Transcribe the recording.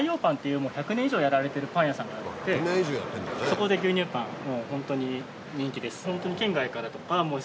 そこで牛乳パンもうホントに人気です。